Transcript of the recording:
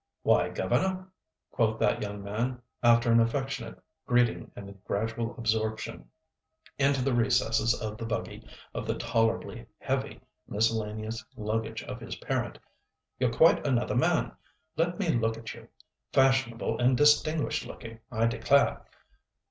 "Why, governor!" quoth that young man, after an affectionate greeting and the gradual absorption into the recesses of the buggy of the tolerably heavy miscellaneous luggage of his parent, "you're quite another man. Let me look at you. Fashionable and distinguished looking, I declare!